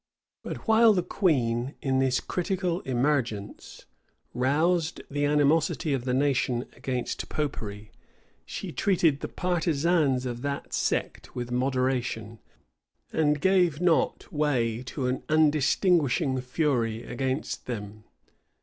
But while the queen, in this critical emergence, roused the animosity of the nation against Popery, she treated the partisans of that sect with moderation, and gave not way to an undistinguishing fury against them.